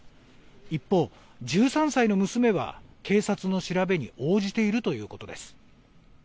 一方、１３歳の娘は警察の調べに応じているということです。